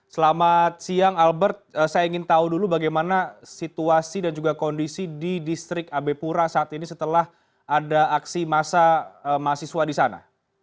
selamat siang albert saya ingin tahu dulu bagaimana situasi dan juga kondisi di distrik abe pura saat ini setelah ada aksi massa mahasiswa di sana